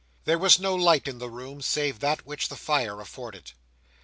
There was no light in the room save that which the fire afforded.